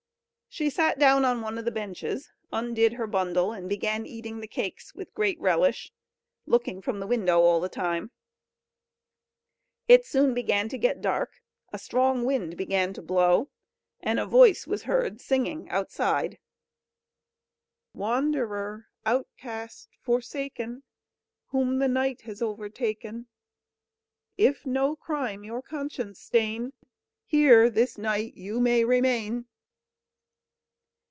She sat down on one of the benches, undid her bundle, and began eating the cakes with great relish, looking from the window all the time. It soon began to get dark, a strong wind began to blow, and a voice was heard singing outside: "Wanderer! outcast, forsaken! Whom the night has overtaken; If no crime your conscience stain, Here this night you may remain."